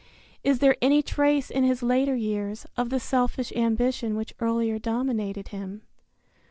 Is there any trace in his later years, of the selfish ambition which earlier dominated him?